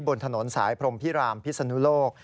บนถนนสายพรมพิรามพิศนุโลก